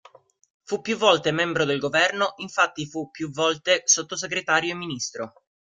Fu più volte membro del Governo infatti fu più volte sottosegretario e Ministro.